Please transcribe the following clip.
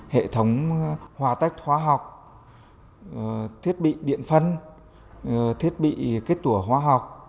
hệ thống hòa tách hóa học thiết bị điện phân thiết bị kết tủa học